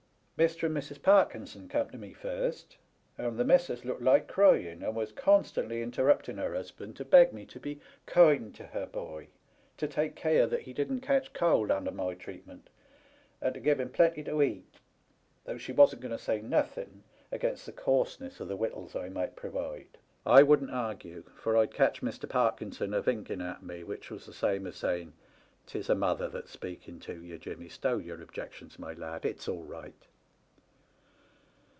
Mr, and Mrs. Parkinson come to me first, and the Missis looked like crying, and was constantly interrupting her husband to beg me to be kind to her boy, to take care that he didn't catch cold under my treatment, and to give him plenty to eat, though she wasn't going to say nothen* against the coarseness of the wittles I might prowide. I wouldn't argue, for I'd catch Mr. Parkinson a vinking at me, which was the same as saying, * 'Tis a mother that's speaking to ye, Jimmy ; stow your objections, my lad ; it's all right.